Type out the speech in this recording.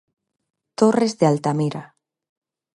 Torres de Altamira.